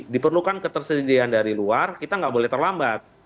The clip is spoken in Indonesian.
diperlukan ketersediaan dari luar kita nggak boleh terlambat